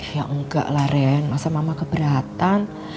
ya enggak lah ren masa mama keberatan